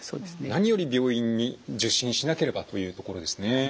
何より病院に受診しなければというところですね。